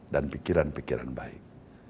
dan pikiran pikiran baik